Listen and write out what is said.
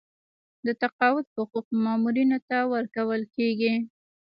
د تقاعد حقوق مامورینو ته ورکول کیږي